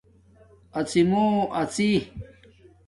اڎی مݸ اڎݵ